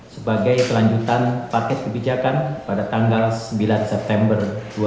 sebagai kelanjutan paket kebijakan pada tanggal sembilan september dua ribu dua puluh